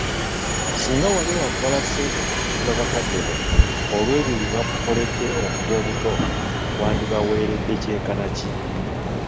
Singa wali wakubala ssente kusasula bakadde bo, olwebyo bye bakukoledde okuva obuto, wandibaweeredde ky'enkana ki ?